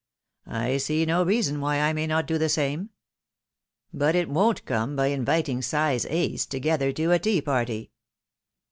I see no reason why I may not do the same. But it won't come by inviting size ace to gether to a tea party."